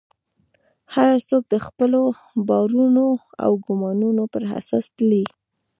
هر څوک د خپلو باورونو او ګومانونو پر اساس تلي.